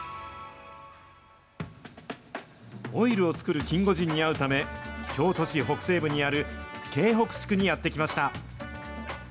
オイルを作るキンゴジンに会うため、京都市北西部にある京北地区にやって来ました。